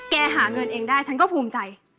หาเงินเองได้ฉันก็ภูมิใจ